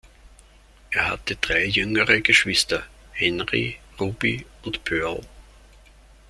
Er hatte drei jüngere Geschwister, Henry, Ruby und Pearl.